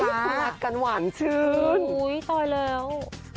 แต่ว่าคันหวันชื่อสอยแล้ว